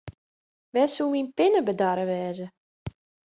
Wêr soe myn pinne bedarre wêze?